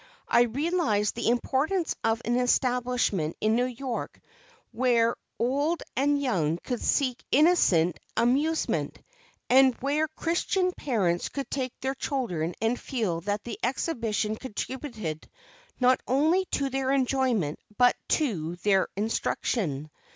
I realized the importance of an establishment in New York where old and young could seek innocent amusement, and where Christian parents could take their children and feel that the exhibition contributed not only to their enjoyment but to their instruction.